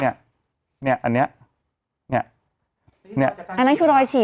เนี้ยเนี้ยอันเนี้ยเนี้ยเนี้ยอันนั้นคือรอยฉีด